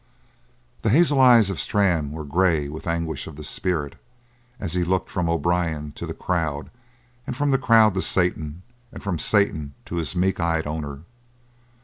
The hazel eye of Strann was grey with anguish of the spirit as he looked from O'Brien to the crowd and from the crowd to Satan, and from Satan to his meek eyed owner.